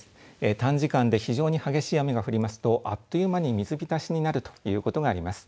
短時間で非常に激しい雨が降りますとあっという間に水浸しになるということがあります。